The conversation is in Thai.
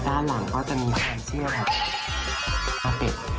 ด้านหลังก็จะมีความเชื่อค่ะ